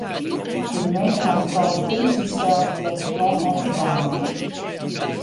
De gemeente hat in tal betingsten steld dêr't it plan oan foldwaan moat.